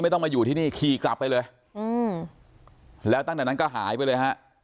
ต้องมาอยู่ที่นี่ขี่กลับไปเลยอืมแล้วตั้งแต่นั้นก็หายไปเลยฮะ